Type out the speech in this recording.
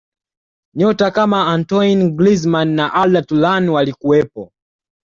nyota kama antoine grizman na arda turan walikuwepo